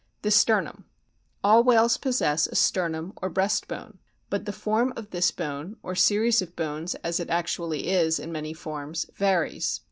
THE STERNUM All whales possess a sternum or breast bone. But the form of this bone, or series of bones as it actually is in many forms, varies (see Figs.